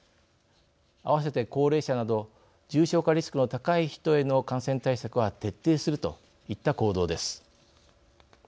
併せて高齢者など重症化リスクの高い人への感染対策は徹底するといった行動です。